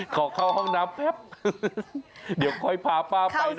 ขอเข้าห้องน้ำแป๊บเดี๋ยวค่อยพาป้าไปนะ